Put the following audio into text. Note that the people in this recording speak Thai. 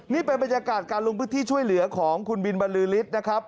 นี่เป็นบรรยากาศการลงพื้นที่ช่วยเหลือของคุณบินบรรลือฤทธิ์นะครับ